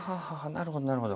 なるほどなるほど。